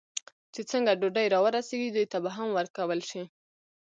څنګه ډوډۍ را ورسېږي، دوی ته به هم ورکول شي.